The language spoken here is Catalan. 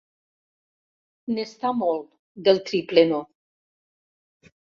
N'està molt, del triple no.